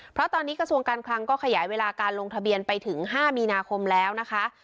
เพราะตอนนี้กระทรวงการคลังก็ขยายเวลาการลงทะเบียนไปถึง๕มีนาคมแล้วนะคะ